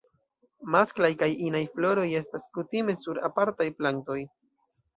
Masklaj kaj inaj floroj estas kutime sur apartaj plantoj.